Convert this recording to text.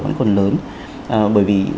vẫn còn lớn bởi vì